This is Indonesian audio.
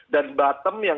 dan bottom yang kita inginkan